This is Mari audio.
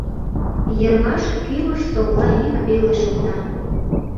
Йырваш кӱмыж-совла йӱк веле шокта.